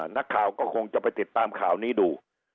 นักข่าวก็คงจะไปติดตามข่าวนี้ดู